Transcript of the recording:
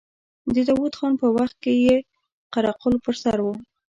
د داود خان په وخت کې يې قره قل پر سر و.